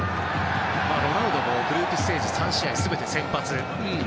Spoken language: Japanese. ロナウドもグループステージ３試合全て先発。